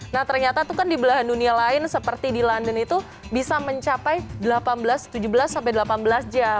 nah ternyata itu kan di belahan dunia lain seperti di london itu bisa mencapai delapan belas tujuh belas sampai delapan belas jam